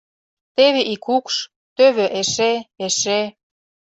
Теве ик укш, тӧвӧ эше, эше...